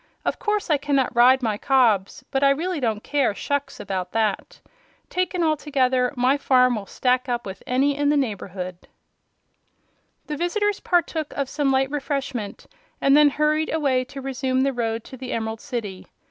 Of course I cannot ride my cobs, but I really don't care shucks about that. Taken altogether, my farm will stack up with any in the neighborhood." The visitors partook of some light refreshment and then hurried away to resume the road to the Emerald City.